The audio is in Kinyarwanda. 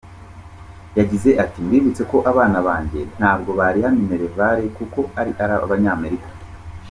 Yagize ati “Mbibutse ko abana banjye, ntabwo bariha minerivali kuko ari Abanyamerika.